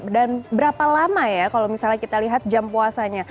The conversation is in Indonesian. dan berapa lama ya kalau misalnya kita lihat jam puasanya